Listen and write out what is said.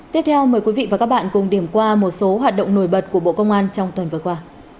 tiếp theo mời quý vị và các bạn cùng điểm qua một số hoạt động nổi bật của bộ công an trong tuần vừa qua